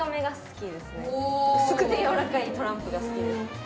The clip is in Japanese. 薄くてやわらかいトランプが好きです。